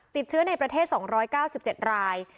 ติดเชื้อในประเทศ๒๙๗ราย